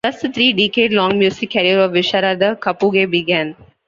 Thus the three decade long music career of Visharada Kapuge began.